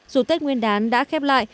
dù tết nguyên đán đã khép lại